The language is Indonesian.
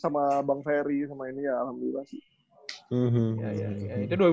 sama bang ferry sama ini ya alhamdulillah sih